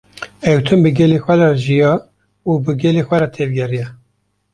Ew tim bi gelê xwe re jiya û bi gelê xwe re tevgeriya